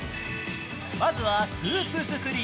まずはスープ作り。